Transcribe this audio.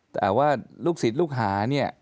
แต่ว่าลูกศิษย์ลูกหาเนี่ย